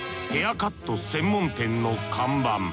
カット専門店の看板。